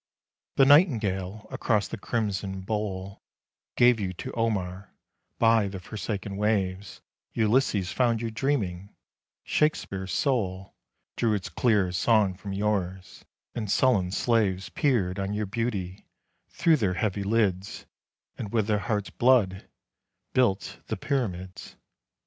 128 ONE MORE SONG The nightingale across the crimson bowl Gave you to Omar ; by the forsaken waves Ulysses found you dreaming ; Shakespeare's soul Drew its clear song from yours ; and sullen slaves Peered on your beauty through their heavy lids And with their hearts' blood built the Pyramids.